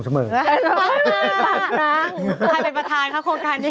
ใครเป็นประธานคะโครงการนี้